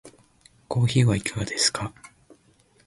コーヒーはいかがですか？